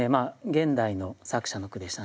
現代の作者の句でしたね。